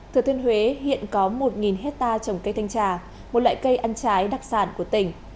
thừa thiên huế hiện có một hectare trồng cây thanh trà một loại cây ăn trái đặc sản của tỉnh